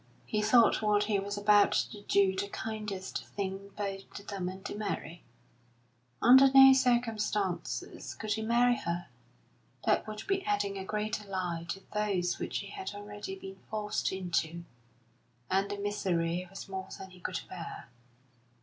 He thought what he was about to do the kindest thing both to them and to Mary. Under no circumstances could he marry her; that would be adding a greater lie to those which he had already been forced into, and the misery was more than he could bear.